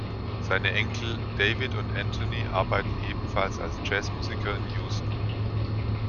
Seine Enkel David und Anthony arbeiten ebenfalls als Jazzmusiker in Houston.